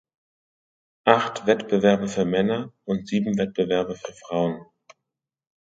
Acht Wettbewerbe für Männer und sieben Wettbewerbe für Frauen.